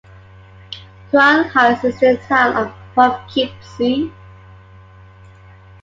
Crown Heights is in the town of Poughkeepsie.